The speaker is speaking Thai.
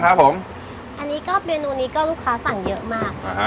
อันนี้บ้างครับผมอันนี้ก็เมนูนี้ก็ลูกค้าสั่งเยอะมากอ่าฮะ